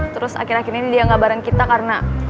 terus akhir akhir ini dia ngabarin kita karena